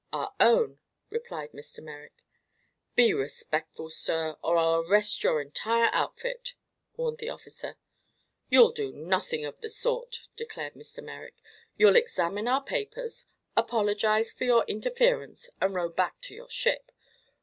"Our own," replied Mr. Merrick. "Be respectful, sir, or I'll arrest your entire outfit," warned the officer. "You'll do nothing of the sort," declared Mr. Merrick. "You'll examine our papers, apologize for your interference and row back to your ship.